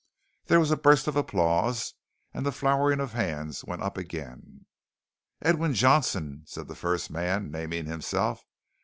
There was a burst of applause and the flowering of hands went up again. "Edwin Johnson," said the first man naming himself.